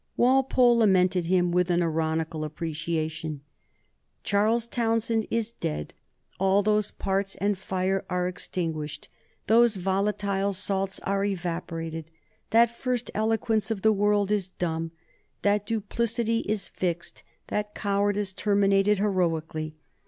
Walpole lamented him with an ironical appreciation. "Charles Townshend is dead. All those parts and fire are extinguished; those volatile salts are evaporated; that first eloquence of the world is dumb; that duplicity is fixed, that cowardice terminated heroically.